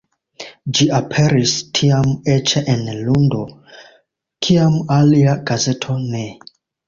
Ĝi aperis tiam eĉ en lundo, kiam alia gazeto ne.